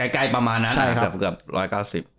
ใกล้ประมาณนั้นเกือบเกือบร้อยเก้าสิบ